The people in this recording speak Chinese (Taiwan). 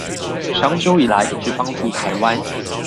長久以來一直幫助臺灣